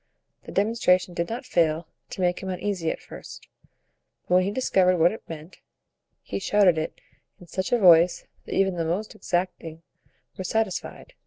The demonstration did not fail to make him uneasy at first; but when he discovered what it meant, he shouted it in such a voice that even the most exacting were satisfied.